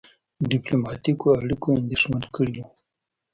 ډيپلوماټیکو اړیکو اندېښمن کړی وو.